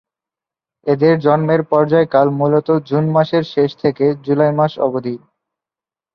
এদের জন্মের পর্যায়কাল মূলত জুন মাসের শেষ থেকে জুলাই মাস অবধি।